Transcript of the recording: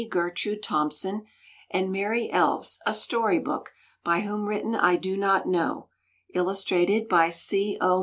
Gertrude Thomson, and Merry Elves, a story book, by whom written I do not know, illustrated by C. O.